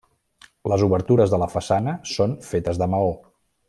Les obertures de la façana són fetes de maó.